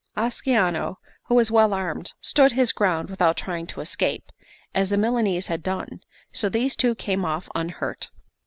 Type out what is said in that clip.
Ascanio, who was well armed, stood his ground without trying to escape, as the Milanese had done; so these two came off unhurt.